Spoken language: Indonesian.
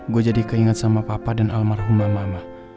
gue jadi keinget sama papa dan almarhum mamah